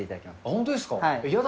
本当ですか？